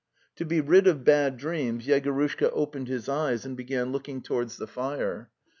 To be rid of bad dreams, Yegorushka opened his eyes and began looking towards the fire.